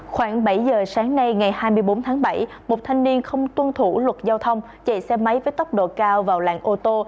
khoảng bảy giờ sáng nay ngày hai mươi bốn tháng bảy một thanh niên không tuân thủ luật giao thông chạy xe máy với tốc độ cao vào làng ô tô